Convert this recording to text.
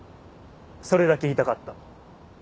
それだけ言いたかった。